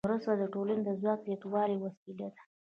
مرسته د ټولنې د ځواک د زیاتوالي وسیله ده.